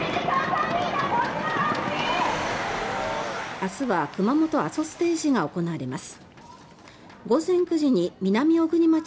明日は熊本阿蘇ステージが行われます。